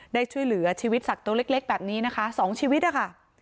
ได้ช่วยเหลือชีวิตสัตว์ตัวเล็กแบบนี้นะคะ๒ชีวิตนะคะ